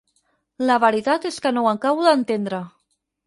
La veritat és que no ho acabo d'entendre.